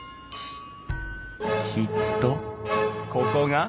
きっとここが！